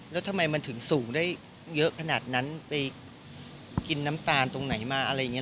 แล้วทำไมมันถึงสูงได้เยอะขนาดนั้นไปกินน้ำตาลตรงไหนมาอะไรอย่างนี้